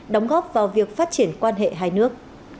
đóng góp vào việc phát triển quan hệ hai nước